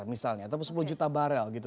misalnya atau sepuluh juta barel gitu